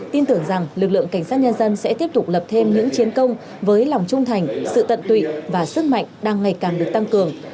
tin tưởng rằng lực lượng cảnh sát nhân dân sẽ tiếp tục lập thêm những chiến công với lòng trung thành sự tận tụy và sức mạnh đang ngày càng được tăng cường